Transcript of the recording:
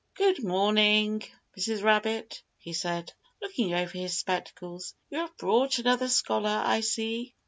"Good morning, Mrs. Rabbit," he said, looking over his spectacles. "You have brought another scholar, I see."